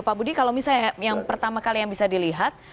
pak budi kalau misalnya yang pertama kali yang bisa dilihat